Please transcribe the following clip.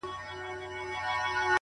• گوره خندا مه كوه مړ به مي كړې،